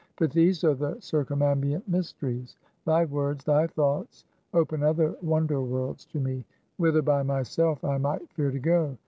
But these are the circumambient mysteries; thy words, thy thoughts, open other wonder worlds to me, whither by myself I might fear to go.